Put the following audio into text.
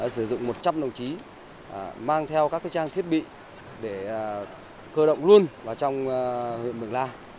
sử dụng một trăm linh đồng chí mang theo các trang thiết bị để cơ động luôn vào trong huyện mường la